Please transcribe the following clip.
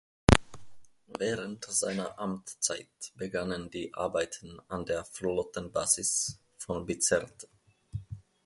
Während seiner Amtszeit begannen die Arbeiten an der Flottenbasis von Bizerte.